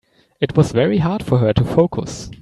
It was very hard for her to focus.